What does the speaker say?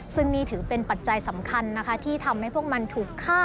ซึ่งนี่ถือเป็นปัจจัยสำคัญนะคะที่ทำให้พวกมันถูกฆ่า